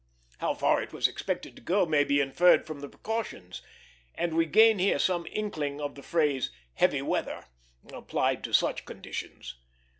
How far it was expected to go may be inferred from the precautions; and we gain here some inkling of the phrase "heavy weather" applied to such conditions.